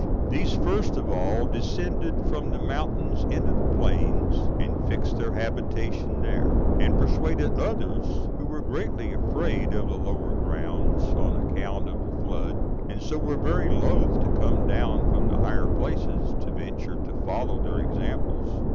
These first of all descended from the mountains into the plains, and fixed their habitation there; and persuaded others who were greatly afraid of the lower grounds on account of the flood, and so were very loath to come down from the higher places, to venture to follow their examples.